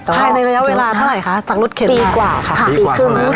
ในระยะเวลาเท่าไหร่คะจากรถเข็นปีกว่าค่ะปีกว่าครับปีกว่าครับ